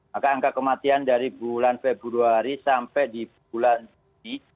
maka angka kematian dari bulan februari sampai di bulan juni